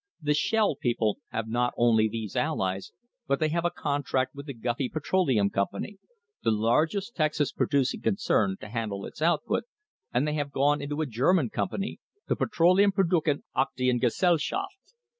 The "Shell" people have not only these allies, but they have a contract with the Guffey Petroleum Company, the largest Texas producing concern, to handle its output, and they have gone into a German oil company, the Petroleum Produkten Aktien Gesellschaft.